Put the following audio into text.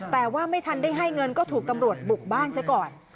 แต่ว่าไม่ทันได้ให้เงินก็ถูกตำรวจบุกบ้านซะก่อน